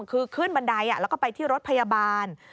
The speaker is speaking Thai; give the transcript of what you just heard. คือขึ้นบันไดแล้วก็ไปที่รถพยาบาล